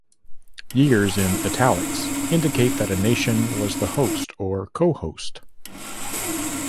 Years in "italics" indicate that a nation was the host or co-host.